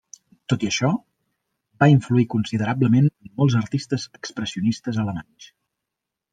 Tot i això, va influir considerablement en molts artistes expressionistes alemanys.